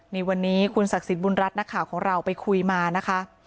นี่วันนี้คุณศักดิ์สิทธิบุญรัฐนักข่าวของเราไปคุยมานะคะ